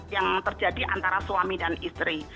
yang terjadi antara suami dan istri